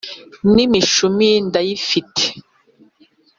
N,imishumi ndayifite